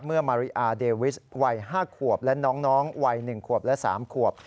มาริอาเดวิสวัย๕ขวบและน้องวัย๑ขวบและ๓ขวบ